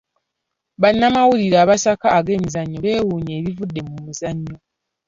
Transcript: Bannamawulire abasaka ag'ebyemizannyo beewuunya ebyavudde mu muzannyo.